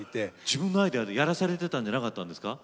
自分のアイデアでやらされてたんじゃなかったんですか？